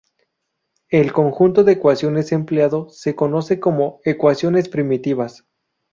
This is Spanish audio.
El conjunto de ecuaciones empleado se conoce como "ecuaciones primitivas".